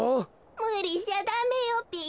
むりしちゃダメよべ。